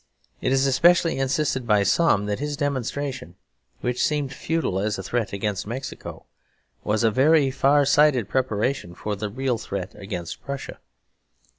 It is especially insisted by some that his demonstration, which seemed futile as a threat against Mexico, was a very far sighted preparation for the threat against Prussia.